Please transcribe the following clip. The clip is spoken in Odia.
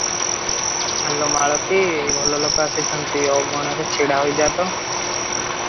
ଆଲୋ ମାଳତୀ! ଏହି ଭଲଲୋକ ଆସିଛନ୍ତି, ଅଗଣାରେ ଛିଡ଼ା ହୋଇଯା ତ ।